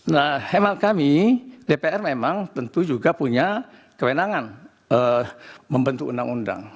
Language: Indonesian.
nah hemat kami dpr memang tentu juga punya kewenangan membentuk undang undang